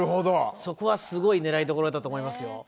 そこはすごい狙いどころだと思いますよ。